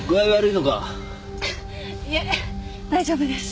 いえ大丈夫です。